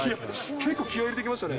結構気合い入れて行きましたね。